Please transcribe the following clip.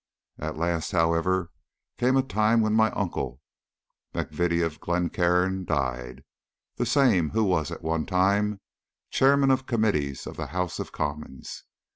At last, however, came a time when my uncle, M'Vittie of Glencairn, died the same who was at one time chairman of committees of the House of Commons.